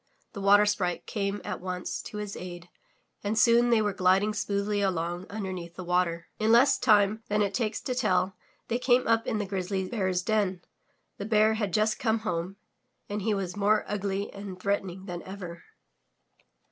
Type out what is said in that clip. The Water Sprite came at once to his aid and soon they were gliding smoothly along imdemeath the water. In less time than it takes to tell they came up in the Grizzly Bear's den. The Bear had just come home and he was more ugly and threatening than ever.